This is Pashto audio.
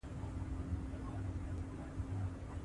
کابل د افغانستان د اقلیمي نظام ښکارندوی ده.